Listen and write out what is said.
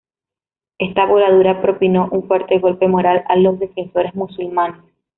Esta voladura propinó un fuerte golpe moral a los defensores musulmanes.